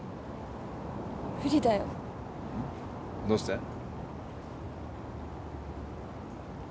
どうして？